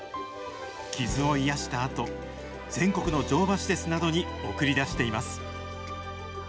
傷を癒やしたあと、全国の乗馬施設などに送り出しています。